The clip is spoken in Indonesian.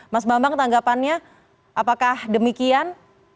mas bambang tanggapannya apakah demikian